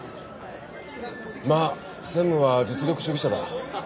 まあ専務は実力主義者だ。